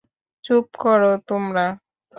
চুপ করো তোমরা।